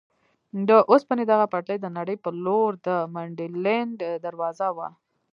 د اوسپنې دغه پټلۍ د نړۍ په لور د منډلینډ دروازه وه.